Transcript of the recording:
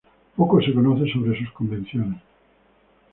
Poco se conoce sobre sus convenciones.